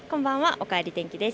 おかえり天気です。